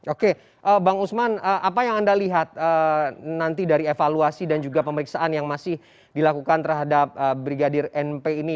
oke bang usman apa yang anda lihat nanti dari evaluasi dan juga pemeriksaan yang masih dilakukan terhadap brigadir np ini